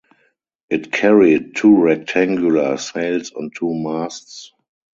It carried two rectangular sails on two masts.